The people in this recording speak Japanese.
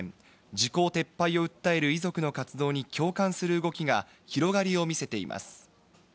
時効撤廃を訴える遺族の活動に共感する動きが広がりを見せています。